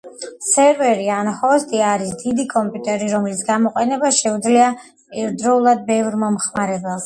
სერვერი ან ჰოსტი არის დიდი კომპიუტერი, რომლის გამოყენება შეუძლია ერთდროულად ბევრ მომხმარებელს.